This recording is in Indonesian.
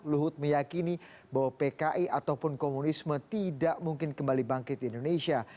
luhut meyakini bahwa pki ataupun komunisme tidak mungkin kembali bangkit di indonesia